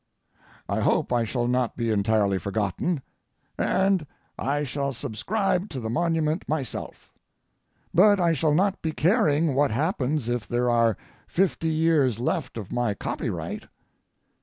I hope I shall not be entirely forgotten, and I shall subscribe to the monument myself. But I shall not be caring what happens if there are fifty years left of my copyright.